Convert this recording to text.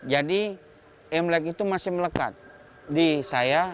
jadi imlek itu masih melekat di saya